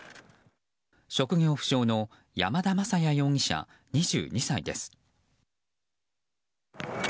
職業不詳の山田雅也容疑者２２歳です。